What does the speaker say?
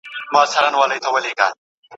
په دې لوبه کي موږ نه یو دا سطرنج دی د خانانو